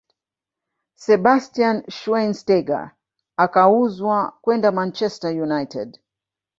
sebastian schweinsteiger akauzwa kwenda uanchester United